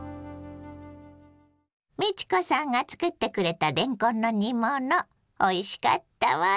美智子さんが作ってくれたれんこんの煮物おいしかったわ。